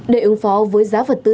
để ứng phó với giá vật tư